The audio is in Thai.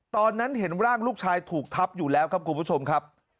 ตอนนั้นเห็นร่างลูกชายถูกทับอยู่แล้วครับคุณผู้ชมครับ